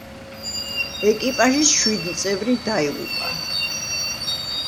ეკიპაჟის შვიდი წევრი დაიღუპა.